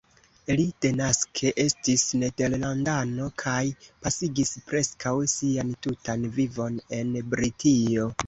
Li denaske estis nederlandano kaj pasigis preskaŭ sian tutan vivon en Britio.